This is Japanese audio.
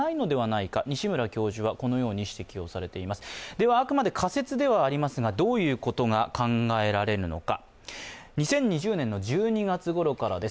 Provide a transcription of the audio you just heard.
ではあくまで仮説ではありますがどういうことが考えられるのか。